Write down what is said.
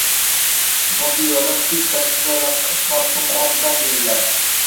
moddiy yordam kuz paytida va qish mavsumi oldidan beriladi